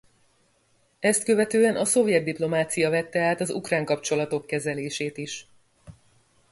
Ezt követően a szovjet diplomácia vette át az ukrán kapcsolatok kezelését is.